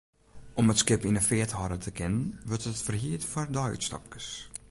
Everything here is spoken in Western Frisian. Om it skip yn 'e feart hâlde te kinnen, wurdt it ferhierd foar deiútstapkes.